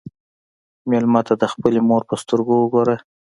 مېلمه ته د خپلې مور په سترګو وګوره.